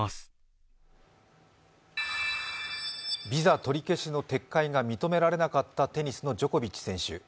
ビザ取り消しの撤回が認められなかったテニスのジョコビッチ選手。